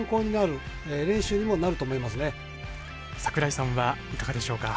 櫻井さんはいかがでしょうか。